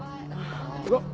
行こう。